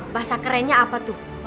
bahasa kerennya apa tuh